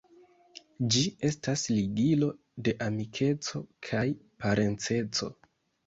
Ĝi estas ligilo de amikeco kaj parenceco.